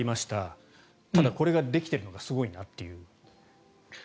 ただ、これができてるのがすごいなという。